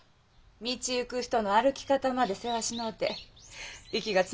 道行く人の歩き方までせわしのうて息が詰まりますわ。